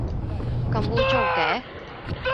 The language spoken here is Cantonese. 咁污糟嘅